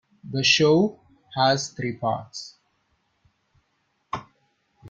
The show has three parts.